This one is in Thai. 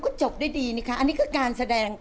ก็จบได้ดีนี่ค่าอันนี้ก็การแสดง